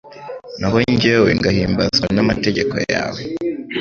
naho jyewe ngahimbazwa n’amategeko yawe